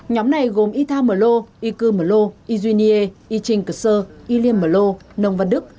nhóm này gồm ita mờ lô y cư mờ lô y duy nghê y trinh cờ sơ y liêm mờ lô nông văn đức